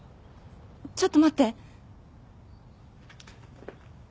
ちょっと待って。